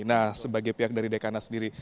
nah sebagai pihak dari dekana sendiri